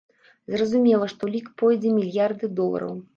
Зразумела, што лік пойдзе мільярды долараў!